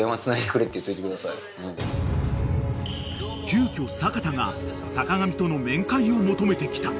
［急きょ阪田が坂上との面会を求めてきた］